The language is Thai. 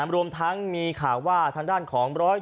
รวมทั้งมีข่าวว่าทางด้านของ๑๗